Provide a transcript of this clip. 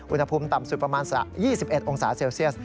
อุณหภูมิต่ำสุดประมาณ๒๑องศาเซลเซียส